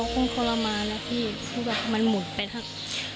พอคงปัญญานะพี่มันหมุนไปทั้ง